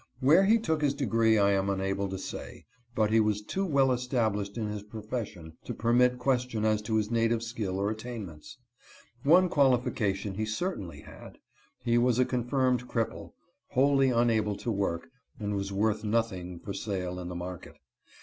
Where he took his degree I am unable to say, but he was too well established in his profession to permit question as to his native skill or attainments. One qualification he certainly had. He was a confirmed cripple, wholly unable to work, and was worth nothing for sale in the market.